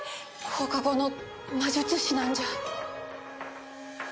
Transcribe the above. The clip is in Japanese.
放課後の魔術師なんじゃ。